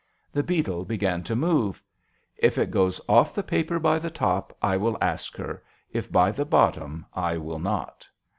The beetle began to move. " If it goes off the paper by the top I will ask her if by the bottom I will not."